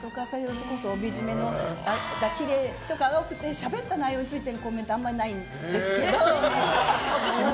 それこそ、帯締めがきれいとかが多くてしゃべった内容についてのコメントはあまりないんですけど。